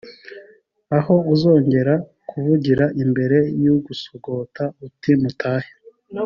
aho uzongera kuvugira imbere y ugusogota uti mutahe